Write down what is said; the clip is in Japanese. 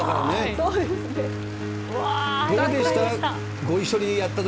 どうでした？